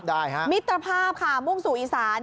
ได้ฮะมิตรภาพค่ะมุ่งสู่อีสาน